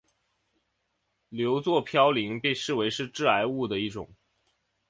硫唑嘌呤被视为是致癌物的一种。